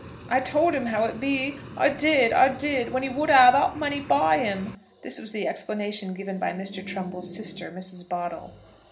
"I told 'um how it be, I did, I did, when he would 'a all that money by 'um." This was the explanation given by Mr. Trumbull's sister, Mrs. Boddle.